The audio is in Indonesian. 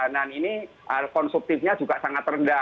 dan ini konsumtifnya juga sangat rendah